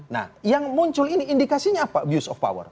nah yang muncul ini indikasinya apa abuse of power